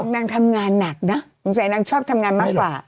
นางทำงานหนักนะสงสัยนางชอบทำงานมากกว่า